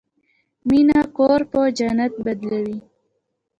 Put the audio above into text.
مینه کور په جنت بدلوي.